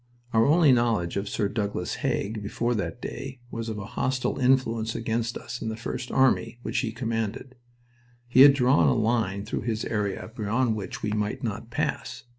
Our only knowledge of Sir Douglas Haig before that day was of a hostile influence against us in the First Army, which he commanded. He had drawn a line through his area beyond which we might not pass.